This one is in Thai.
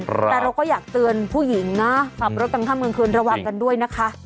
แต่เราก็อยากเตือนผู้หญิงนะขับรถกลางค่ำกลางคืนระวังกันด้วยนะคะ